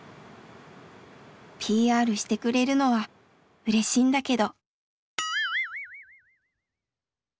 ＰＲしてくれるのはうれしいんだけど。